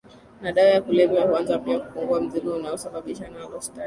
ya dawa za kulevya huanza pia kupungua Mzigo unaosababishwa na alostati